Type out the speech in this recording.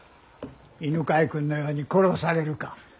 犬養君のように殺されるか。